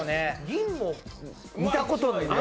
銀も見たことない。